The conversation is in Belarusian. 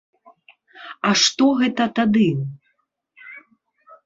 А што гэта тады?